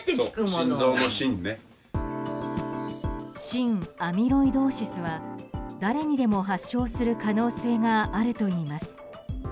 心アミロイドーシスは誰にでも発症する可能性があるといいます。